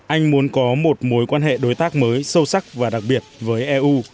anh muốn có một mối quan hệ đối tác mới sâu sắc và đặc biệt với eu